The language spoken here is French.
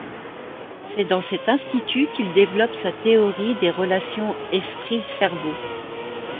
C'est dans cet institut qu'il développe sa théorie des relations esprit-cerveau.